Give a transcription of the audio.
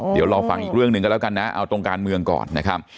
เดี๋ยวรอฟังอีกเรื่องหนึ่งก็แล้วกันนะเอาตรงการเมืองก่อนนะครับ